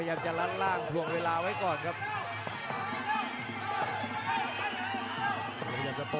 หัวจิตหัวใจให้บองสอบกันเลยครับ